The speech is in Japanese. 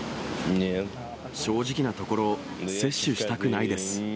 正直なところ、接種したくないです。